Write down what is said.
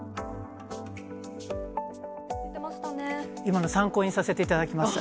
今の参考にさせていただきます。